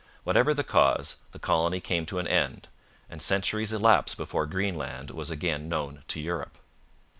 Whatever the cause, the colony came to an end, and centuries elapsed before Greenland was again known to Europe.